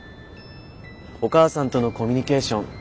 お母さんとのコミュニケーション